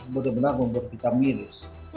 membuat kita miris